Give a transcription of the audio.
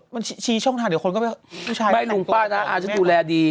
มันชี้ช่องทางเดี๋ยวคนก็ไม่ลุงป้าน้าอาฉันดูแลดี